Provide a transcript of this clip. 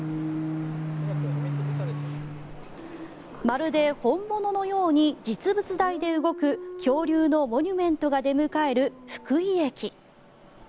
まるで本物のように実物大で動く恐竜のモニュメントが出迎える福井駅。